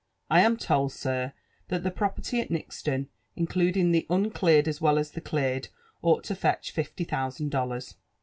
I am told, sir, that the property at Nixlon, including the uncleared as well as the cleared, ought to felch fifty thousand dollars."